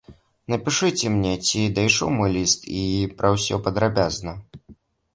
Напішыце мне, ці дайшоў мой ліст, і пра ўсё падрабязна.